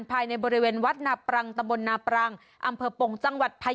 ภายในบริเวณวัดนาปรังตะบนนาปรังอำเภอปงจังหวัดภัย